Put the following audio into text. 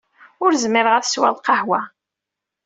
Ur zmireɣ ad sweɣ lqahwa.